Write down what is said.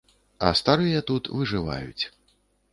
А старыя тут выжываюць.